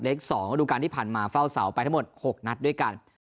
๒ระดูการที่ผ่านมาเฝ้าเสาไปทั้งหมด๖นัดด้วยกัน